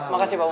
makasih pak wun